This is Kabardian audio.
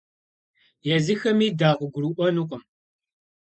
Езыхэми дакъыгурыӏуэнукъым.